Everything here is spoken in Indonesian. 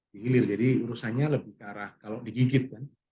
dihilir jadi urusannya lebih ke arah kalau digigit kan